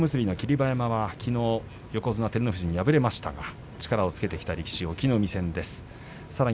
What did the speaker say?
馬山はきのう横綱照ノ富士に敗れましたがきょうは隠岐の海戦です。